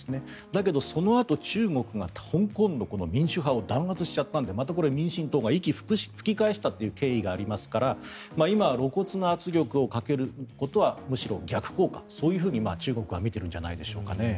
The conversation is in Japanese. だけど、そのあと中国が香港の民主派を弾圧しちゃったのでまたこれ、民進党が息を吹き返したという経緯がありますから今、露骨な圧力をかけることはむしろ逆効果そういうふうに中国は見てるんじゃないでしょうか。